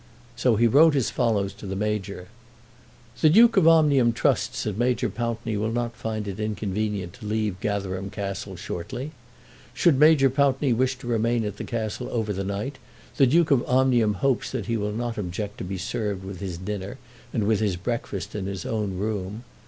So he wrote as follows to the Major: The Duke of Omnium trusts that Major Pountney will not find it inconvenient to leave Gatherum Castle shortly. Should Major Pountney wish to remain at the Castle over the night, the Duke of Omnium hopes that he will not object to be served with his dinner and with his breakfast in his own room.